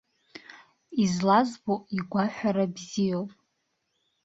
Излазбо, игәаҳәара бзиоуп.